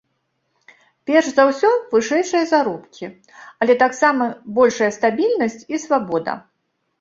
Перш за ўсё вышэйшыя заробкі, але таксама большая стабільнасць і свабода.